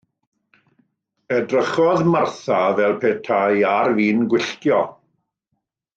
Edrychodd Martha fel petai ar fin gwylltio.